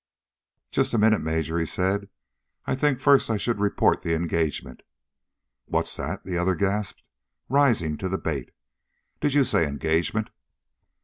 "Just a minute, Major," he said. "I think first I should report the engagement." "What's that?" the other gasped, rising to the bait. "Did you say engagement?"